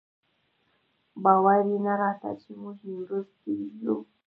باور یې نه راته چې موږ نیمروز کې یو.